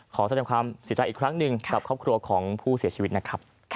ขอแสดงความเสียใจอีกครั้งหนึ่งกับครอบครัวของผู้เสียชีวิตนะครับ